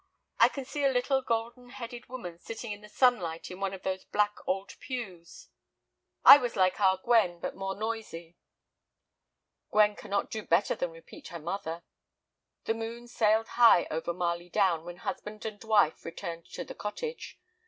I can see a little, golden headed woman sitting in the sunlight in one of those black old pews." "I was like our Gwen, but more noisy." "Gwen cannot do better than repeat her mother." The moon sailed high over Marley Down when husband and wife returned to the cottage.